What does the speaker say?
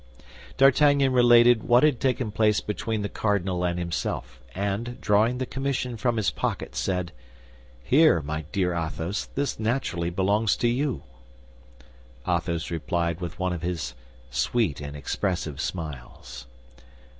D'Artagnan related what had taken place between the cardinal and himself, and drawing the commission from his pocket, said, "Here, my dear Athos, this naturally belongs to you." Athos smiled with one of his sweet and expressive smiles.